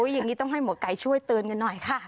อย่างนี้ต้องให้หมอไก่ช่วยเตือนกันหน่อยค่ะ